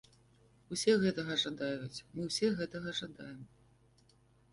Усе гэтага жадаюць, мы ўсе гэтага жадаем.